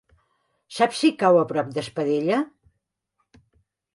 Saps si cau a prop d'Espadella?